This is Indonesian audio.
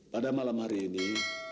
pada malam hari ini